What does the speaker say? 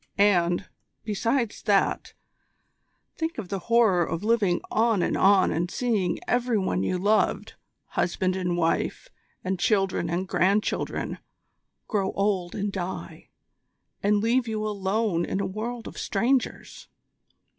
And, besides that, think of the horror of living on and on and seeing every one you loved husband and wife, and children and grandchildren grow old and die, and leave you alone in a world of strangers.